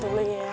tunggu lagi ya